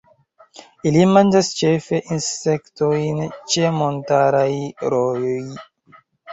Ili manĝas ĉefe insektojn ĉe montaraj rojoj.